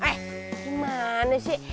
eh gimana sih